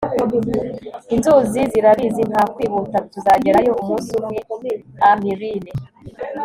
inzuzi zirabizi nta kwihuta. tuzagerayo umunsi umwe. - a. milne